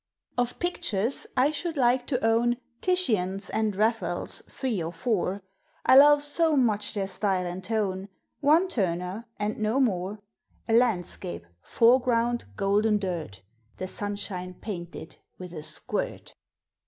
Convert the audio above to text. Of pictures, I should like to own Titians and Raphaels three or four — I love so much their style and tone — One Turner, and no more, (A landscape — foreground gold< n dirt — The sunshine painted with a squirt.)